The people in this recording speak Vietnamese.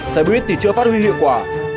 xe buýt thì chưa phát huy hiệu quả